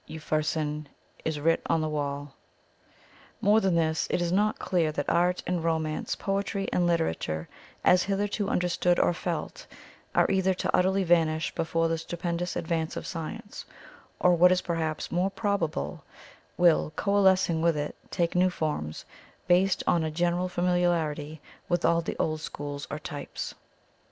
Upharsin is writ on the wall. More than this, is it not clear that Art and Romance, Poetry and Literature, as hitherto understood or felt, are either to utterly vanish before the stupendous advances of science, or what is perhaps more probable, will, coalescing with it, take new forms, based on a general familiarity with all the old schools or types?